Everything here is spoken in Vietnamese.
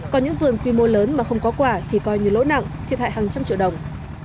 còn những vườn quy mô lớn mà không có quả thì coi như lỗ nặng thiệt hại hàng trăm triệu đồng